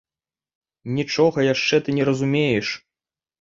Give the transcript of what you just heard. Нічога яшчэ ты не разумееш!